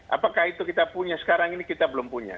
apakah itu kita punya sekarang ini kita belum punya